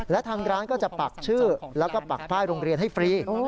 และทางร้านก็จะปักชื่อแล้วก็ปักป้ายโรงเรียนให้ฟรี